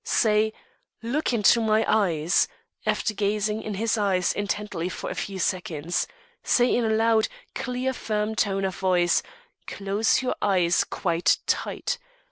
Say, "Look into my eyes." After gazing in his eyes intently for a few seconds, say in a loud, clear, firm tone of voice, "Close your eyes quite tight."